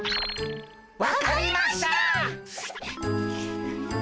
分かりましたっ！